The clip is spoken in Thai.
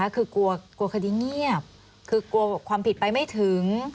คือกลัวคดีเงียบคือกลัวความผิดไปไม่ถึง